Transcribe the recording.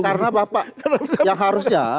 karena bapak yang harusnya